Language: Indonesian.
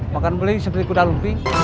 makan beli seperti kuda lumping